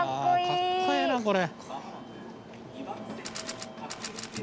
かっこええなこれ。